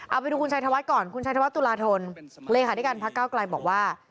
เอาไปดูคุณชายธวัตรก่อนคุณชายธวัตรตุลาธรเรขาด้วยกันพระก้าวกลายบอกว่า